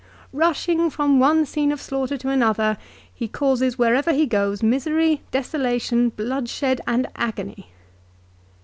" Rushing from one scene of slaughter to another he causes wherever he goes misery, desolation, bloodshed, and agony."